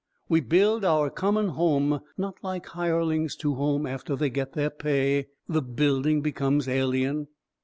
We build our common home not like hirelings, to whom, after they get their pay, the building becomes alien.